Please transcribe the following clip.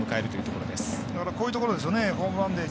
こういうところですね。